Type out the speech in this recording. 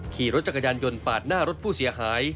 ขี่รถจักรยานยนต์ปาดหน้ารถผู้เสียหาย